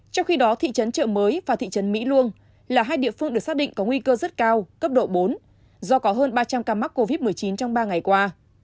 trong khi đó thị trấn trợ mới và thị trấn mỹ luông là hai địa phương được xác định có nguy cơ rất cao cấp độ bốn do có hơn ba trăm linh ca mắc covid một mươi chín trong ba ngày qua